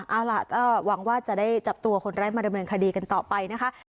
เอาล่ะก็หวังว่าจะได้จับตัวคนร้ายมาดำเนินคดีกันต่อไปนะคะ